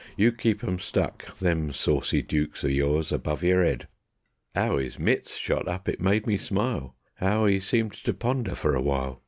You keep 'em stuck, Them saucy dooks o' yours, above yer 'ead." 'Ow 'is mits shot up it made me smile! 'Ow 'e seemed to ponder for a while!